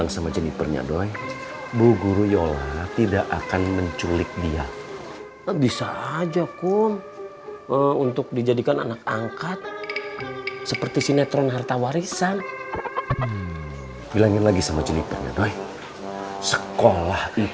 sampai jumpa di video selanjutnya